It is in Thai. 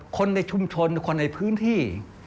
คนในชุมชนคนในพื้นที่